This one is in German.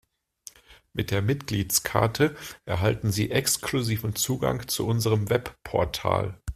Mit der Mitgliedskarte erhalten Sie exklusiven Zugang zu unserem Webportal.